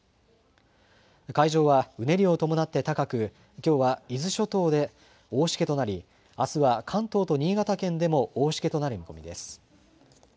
海上はうねりを伴って高く、きょうは伊豆諸島で大しけとなり、あすは関東と新潟県でも大しけとなる見込みです。